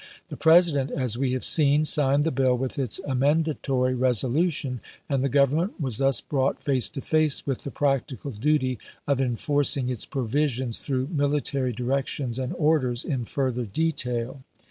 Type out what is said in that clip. The President, as we have seen, signed the bill with its amendatory resolution, and the Government was thus brought face to face with the practical duty of enforcing its provisions through military directions and orders in further detail.